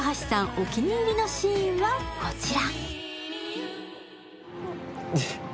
お気に入りのシーンはこちら。